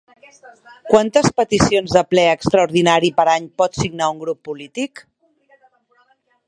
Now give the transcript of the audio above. Quantes peticions de ple extraordinari per any pot signar un grup polític?